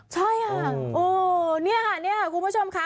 ใช่ค่ะโอ้นี่ค่ะนี่ค่ะคุณผู้ชมค่ะ